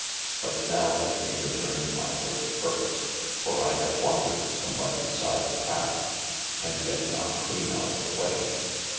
But nowe let mee returne to my first purpose, for I have wandred somwhat beside the path, and yet not cleane out of the way.